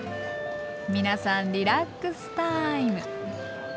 皆さんリラックスタイム。